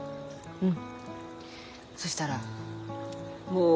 うん。